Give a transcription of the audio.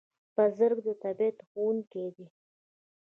بزګر د طبیعت ښوونکی دی